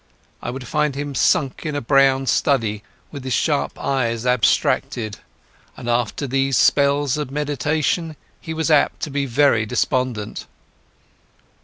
I would find him sunk in a brown study, with his sharp eyes abstracted, and after those spells of meditation he was apt to be very despondent.